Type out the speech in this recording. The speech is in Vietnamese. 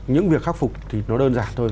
những việc khắc phục thì nó đơn giản thôi